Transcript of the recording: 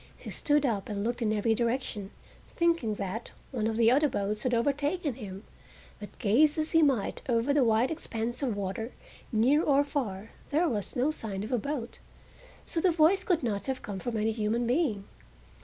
He stood up and looked in every direction, thinking that one of the other boats had overtaken him, but gaze as he might over the wide expanse of water, near or far there was no sign of a boat, so the voice could not have come from any human being.